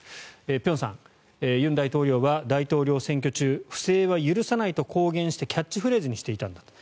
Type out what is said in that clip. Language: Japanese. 辺さん、尹大統領は大統領選挙中不正は許さないと公言してキャッチフレーズにしていたんだと。